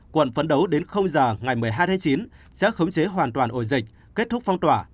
quận phấn đấu đến giờ ngày một mươi hai tháng chín sẽ khống chế hoàn toàn ổ dịch kết thúc phong tỏa